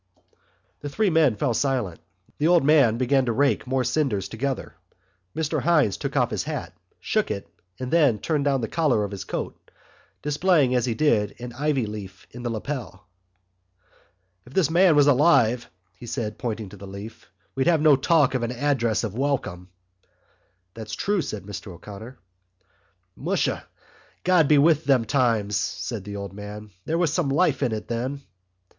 The three men fell silent. The old man began to rake more cinders together. Mr Hynes took off his hat, shook it and then turned down the collar of his coat, displaying, as he did so, an ivy leaf in the lapel. "If this man was alive," he said, pointing to the leaf, "we'd have no talk of an address of welcome." "That's true," said Mr O'Connor. "Musha, God be with them times!" said the old man. "There was some life in it then."